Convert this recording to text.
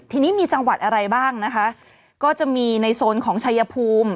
ทีนี้มีจังหวัดอะไรบ้างนะคะก็จะมีในโซนของชายภูมิ